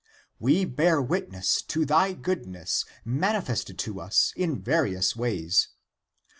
We bear witness to thy goodness manifested to us in various ways.